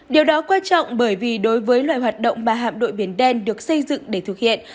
điều đó quan trọng bởi vì đối với loài hoạt động mà hạm đội biển đen được xây dựng để thực hiện